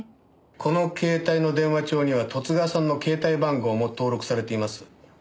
この携帯の電話帳には十津川さんの携帯番号も登録されています。